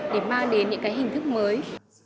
để mang đến những cái hình thức mới